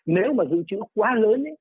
nếu mà dự trữ quá lớn